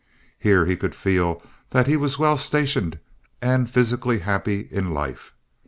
Here he could feel that he was well stationed and physically happy in life.